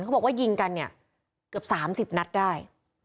เขาบอกว่ายิงกันเนี่ยเกือบ๓๐นัดได้